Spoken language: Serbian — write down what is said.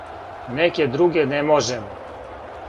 Неке друге не можемо.